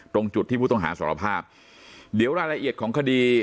ตรงจุดที่ผู้ต้องหาสารภาพเดี๋ยวรายละเอียดของคดี